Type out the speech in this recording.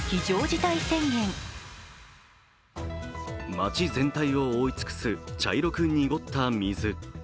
町全体を覆い尽くす茶色く濁った水。